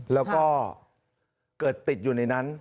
แล้วก็เกิดติดอยู่ในนั้น